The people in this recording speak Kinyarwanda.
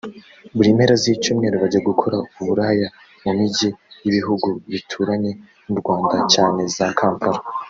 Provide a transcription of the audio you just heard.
buri mpera z’icyumweru bajya gukora ubulaya mu mijyi y’ibihugu bituranye n’u Rwanda cyane za Kampala